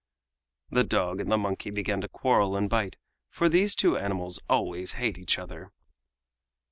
The dog and the monkey began to quarrel and bite, for these two animals always hate each other.